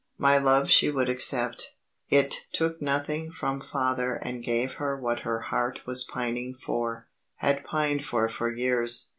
My love she would accept. It took nothing from Father and gave her what her heart was pining for had pined for for years.